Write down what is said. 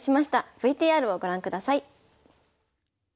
ＶＴＲをご覧ください。